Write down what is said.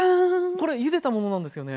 これゆでたものなんですよね？